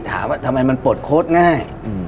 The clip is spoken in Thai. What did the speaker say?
ถามว่าทำไมมันปลดโค้ดง่าย